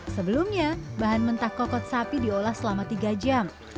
sebelumnya bahan mentah kokot sapi diolah selama tiga jam